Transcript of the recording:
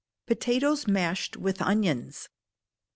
Potatoes Mashed with Onions.